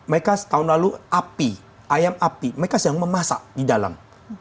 mereka tahun lalu api ayam api mereka sedang memasak di dalam